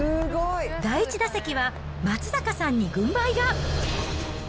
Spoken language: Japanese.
第１打席は松坂さんに軍配が。